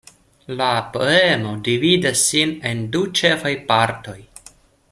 La poemo dividas sin en du ĉefaj partoj.